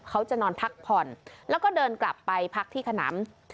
เขาจะนอนพักผ่อนแล้วก็เดินกลับไปพักที่ขนำ